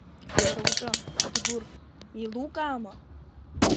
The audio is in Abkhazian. Уара уҿы, Адгәыр, еилукаама?